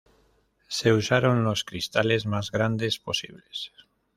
Se usaron los cristales más grandes posibles.